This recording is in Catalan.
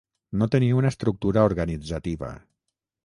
No tenia una estructura organitzativa.